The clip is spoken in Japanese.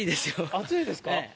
暑いですか。